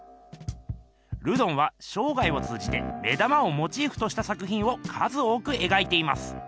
ルドンはしょうがいを通じて目玉をモチーフとした作ひんを数多く描いています。